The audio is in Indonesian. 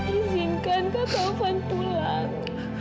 izinkan kak taufan pulang